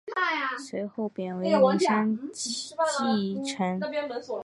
随后贬为麟山驿丞。